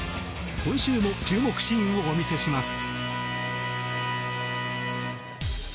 今週の注目シーンをお見せします。